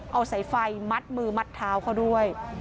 เอาสายไฟมัดมือมัดเท้าเขาด้วย